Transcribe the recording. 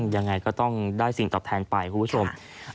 ยังไงก็ต้องได้สิ่งตอบแทนไปคุณผู้ชม